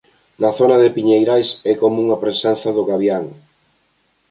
Na zona de piñeirais é común a presenza do gabián.